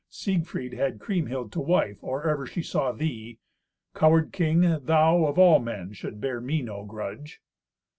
Siegfried had Kriemhild to wife or ever she saw thee. Coward king, thou, of all men, shouldst bear me no grudge."